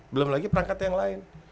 belum lagi perangkat yang lain